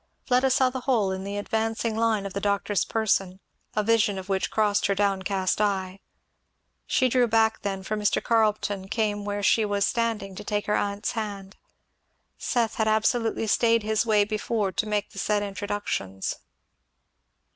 Fleda saw the whole in the advancing line of the doctor's person, a vision of which crossed her downcast eye. She drew back then, for Mr. Carleton came where she was standing to take her aunt's hand; Seth had absolutely stayed his way before to make the said introductions.